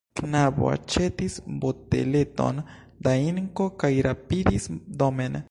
Knabo aĉetis boteleton da inko kaj rapidis domen.